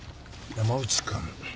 山内君。